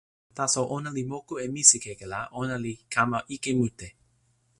taso ona li moku e misikeke la ona li kama ike mute.